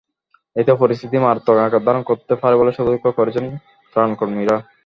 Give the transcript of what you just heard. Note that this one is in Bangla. এতে পরিস্থিতি মারাত্মক আকার ধারণ করতে পারে বলে সতর্ক করেছেন ত্রাণকর্মীরা।